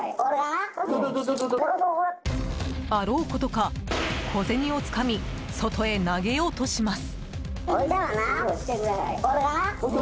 あろうことか小銭をつかみ外へ投げようとします。